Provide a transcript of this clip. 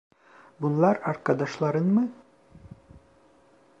Bunlar arkadaşların mı?